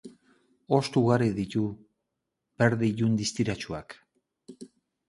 Hosto ugari ditu, berde ilun distiratsuak.